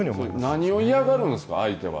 何を嫌がるんですか、相手は。